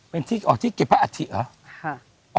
เป็นที่อ๋อที่เก็บพระอศิษย์หรอ